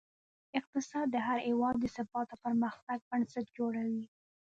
اقتصاد د هر هېواد د ثبات او پرمختګ بنسټ جوړوي.